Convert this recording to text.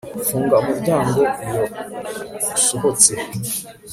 Funga umuryango iyo usohotse